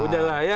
udah lah ya